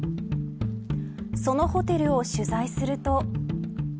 そのホテルを取材すると。